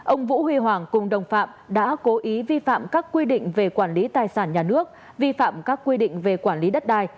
ông vũ huy hoàng cùng đồng phạm đã cố ý vi phạm các quy định về quản lý tài sản nhà nước vi phạm các quy định về quản lý đất đai